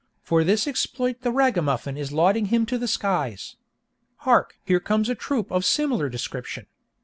For this exploit the ragamuffin is lauding him to the skies! Hark! here comes a troop of a similar description.